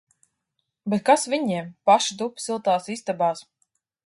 Bet kas viņiem! Paši tup siltās istabās!